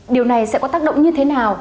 điều này sẽ có tác động như thế nào